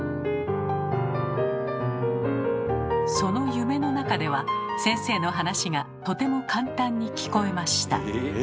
その夢の中では先生の話がとても簡単に聞こえました。